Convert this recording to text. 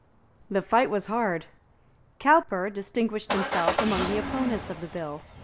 The fight was hard. Cowper distinguished himself among the opponents of the bill.